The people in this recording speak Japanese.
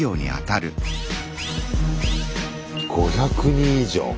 ５００人以上。